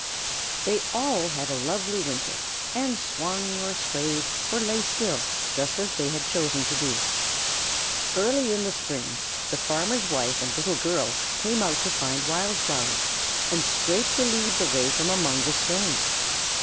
They all had a lovely winter, and swung or swayed or lay still, just as they had chosen to do. Early in the spring, the farmer's wife and little girl came out to find wild flowers, and scraped the leaves away from among the stones.